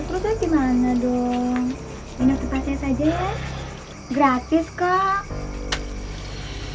lu pergi mana dong minum tempatnya saja ya gratis kak